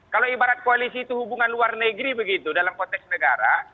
kalau ibarat koalisi itu hubungan luar negeri begitu dalam konteks negara